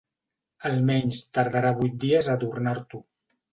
Almenys tardarà vuit dies a tornar-t'ho.